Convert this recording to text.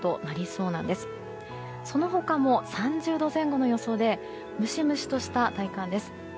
その他も３０度前後の予想でムシムシとした体感です。